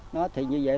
nó thì như vậy